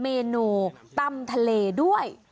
เมนูตำทะเลด้วย